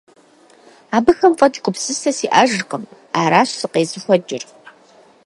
Абыхэм фӀэкӀ гупсысэ сиӀэжкъыми, аращ сыкъезыхуэкӀыр.